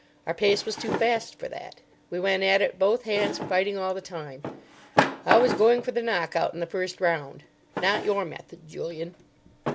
Our pace was too fast for that. We went at it both hands, fighting all the time. I was going for the knock out in the first round. Not your method, Julian."